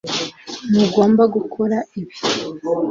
Ntugomba gukora ibi